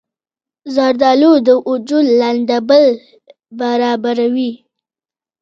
زردالو د وجود لندبل برابروي.